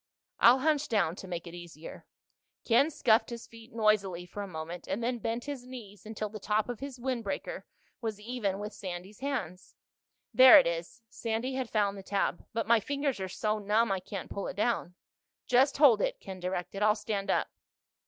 "I'll hunch down to make it easier." Ken scuffed his feet noisily for a moment and then bent his knees until the top of his windbreaker was even with Sandy's hands. "There it is." Sandy had found the tab. "But my fingers are so numb I can't pull it down." "Just hold it," Ken directed. "I'll stand up."